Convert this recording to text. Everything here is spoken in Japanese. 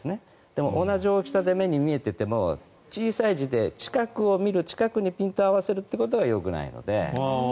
でも同じ大きさで目に見えていても小さい字で近くを見る近くにピントを合わせるということがよくないので。